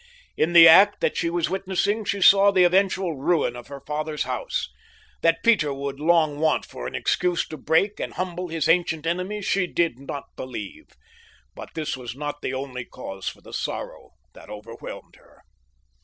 In the act that she was witnessing she saw the eventual ruin of her father's house. That Peter would long want for an excuse to break and humble his ancient enemy she did not believe; but this was not the only cause for the sorrow that overwhelmed her.